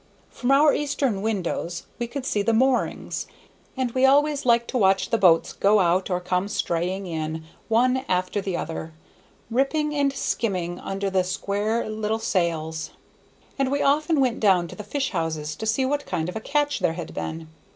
From our eastern windows we could see the moorings, and we always liked to watch the boats go out or come straying in, one after the other, ripping and skimming under the square little sails; and we often went down to the fish houses to see what kind of a catch there had been.